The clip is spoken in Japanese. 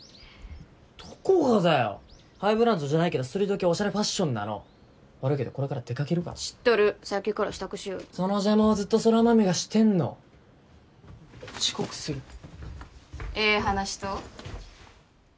どこがだよハイブランドじゃないけどストリート系オシャレファッションなの悪いけどこれから出かけるから知っとるさっきから支度しよるその邪魔をずっと空豆がしてんの遅刻するええ話と？